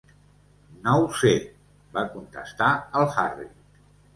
"No ho sé", va contestar el Harry.